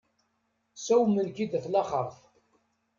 Sawmen-k-id at laxeṛt.